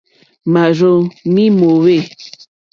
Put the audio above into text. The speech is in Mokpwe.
Mârzô í mòwê.